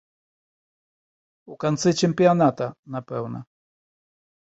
У канцы чэмпіяната, напэўна.